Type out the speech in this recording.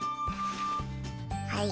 はい。